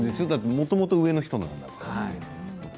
もともと、上の人なんだから。